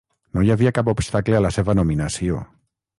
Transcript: No hi havia cap obstacle a la seva nominació.